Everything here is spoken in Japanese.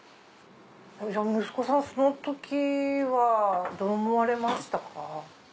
じゃあ息子さんその時はどう思われましたか？